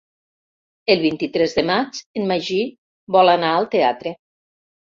El vint-i-tres de maig en Magí vol anar al teatre.